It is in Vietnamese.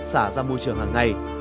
xả ra môi trường hàng ngày